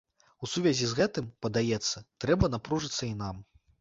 У сувязі з гэтым, падаецца, трэба напружыцца і нам.